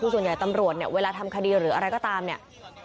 ส่วนใหญ่ตำรวจเนี่ยเวลาทำคดีหรืออะไรก็ตามเนี่ย